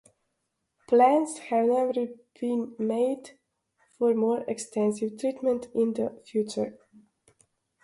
Plans have been made for more extensive treatment in the future.